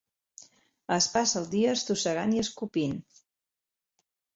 Es passa el dia estossegant i escopint.